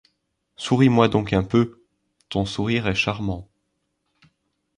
Souris-moi donc un peu. — Ton sourire est charmant.